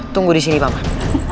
tunggu disini paman